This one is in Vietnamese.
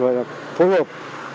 rồi là phối hợp